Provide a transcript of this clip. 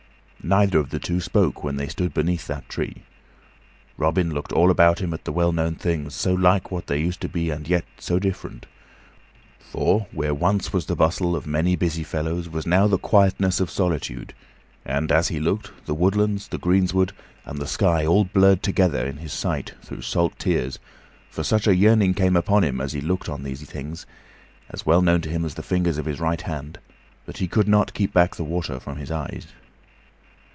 Neither of the two spoke when they stood beneath that tree. Robin looked all about him at the well known things, so like what they used to be and yet so different; for, where once was the bustle of many busy fellows was now the quietness of solitude; and, as he looked, the woodlands, the greensward, and the sky all blurred together in his sight through salt tears, for such a great yearning came upon him as he looked on these things (as well known to him as the fingers of his right hand) that he could not keep back the water from his eyes.